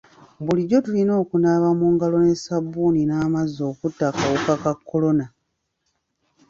Bulijjo tulina okunaaba mu ngalo ne sabbuuni n'amazzi okutta akawuka ka kolona.